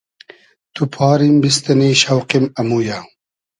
تو پاریم بیستینی شۆقیم امویۂ